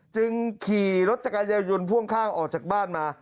จึงขี่รถจักรยายนพ่วงข้างออกจากบ้านมา